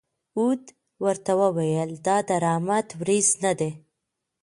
هود ورته وویل: دا د رحمت ورېځ نه ده.